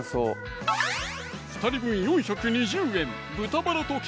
２人分４２０円